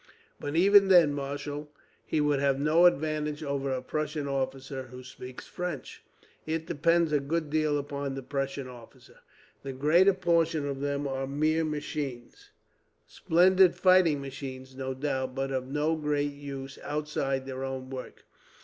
"But even then, marshal, he would have no advantage over a Prussian officer who speaks French." "It depends a good deal upon the Prussian officer. The greater portion of them are mere machines splendid fighting machines, no doubt; but of no great use outside their own work.